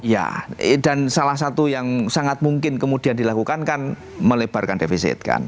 ya dan salah satu yang sangat mungkin kemudian dilakukan kan melebarkan defisit kan